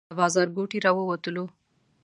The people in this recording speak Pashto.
له بازارګوټي راووتلو.